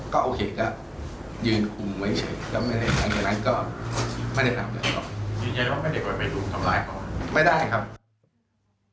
ก็โอเคก็ยืนคุมไว้เฉยก็ไม่ได้อย่างนั้นก็ไม่ได้ถามแล้วครับ